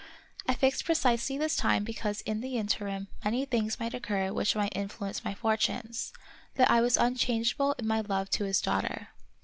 I fixed precisely this time because in the interim many things might occur which might influence my fortunes ; that I was unchangeable in my love to his daughter.